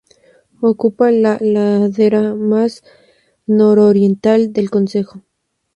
Ocupa la ladera más nororiental del concejo.